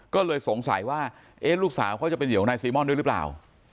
ก็เลยสงสัยว่าลูกสาวเขาจะเป็นเหยื่อนายซีม่อนด้วยหรือเปล่า